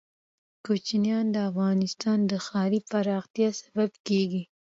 کوچیان د افغانستان د ښاري پراختیا سبب کېږي.